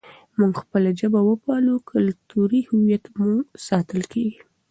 موږ خپله ژبه وپالو، کلتوري هویت مو ساتل کېږي.